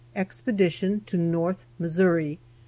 EXPEDITION TO NORTH MISSOURI.